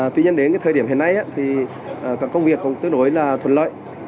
tuy nhiên đến cái thời điểm hiện nay thì cả công việc cũng tương đối là thuận lợi